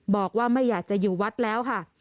บอกว่าไม่อยากจะอยู่วัดแล้วค่ะ